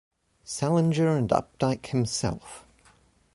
Salinger and Updike himself.